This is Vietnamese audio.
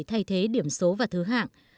thay thế điểm số và thứ hạng